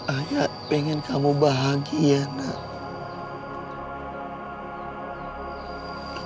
ayah pengen kamu bahagia nak